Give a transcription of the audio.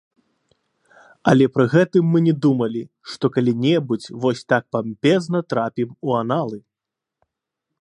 Але пры гэтым мы не думалі, што калі-небудзь вось так пампезна трапім у аналы.